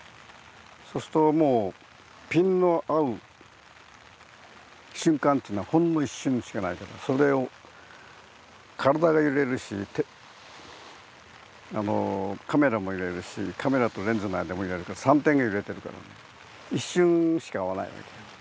そうするともうピンの合う瞬間っていうのはほんの一瞬しかないからそれを体が揺れるしカメラも揺れるしカメラとレンズの間も揺れるから３点が揺れてるから一瞬しか合わないわけよ。